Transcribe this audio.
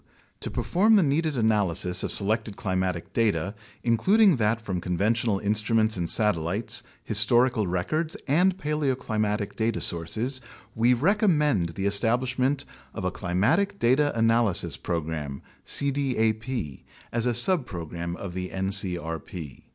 To perform the needed analysis of selected climatic data, includ ing that from conventional instruments and satellites, historical records, and paleoclimatic data sources, we recommend the establishment of a Climatic Data Analysis Program (cdap) as a subprogram of the ncrp.